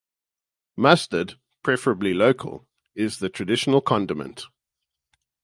Mustard, preferably local, is the traditional condiment.